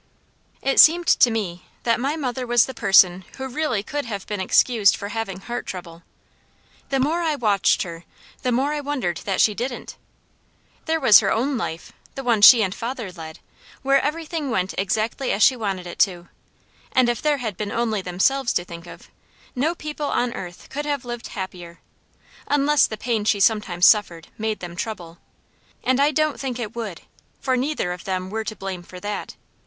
It seemed to me that my mother was the person who really could have been excused for having heart trouble. The more I watched her, the more I wondered that she didn't. There was her own life, the one she and father led, where everything went exactly as she wanted it to; and if there had been only themselves to think of, no people on earth could have lived happier, unless the pain she sometimes suffered made them trouble, and I don't think it would, for neither of them were to blame for that.